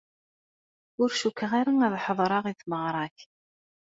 Ur cukkeɣ ara ad ḥeḍreɣ i tmeɣra-k.